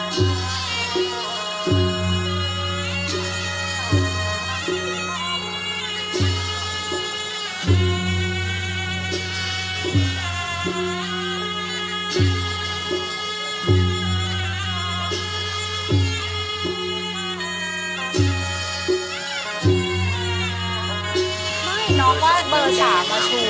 แต่ว่าถ้ามันแค่แรงกับคนอื่น